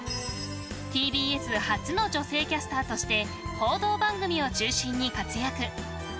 ＴＢＳ初の女性キャスターとして報道番組を中心に活躍。